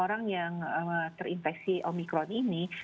orang yang terinfeksi omikron ini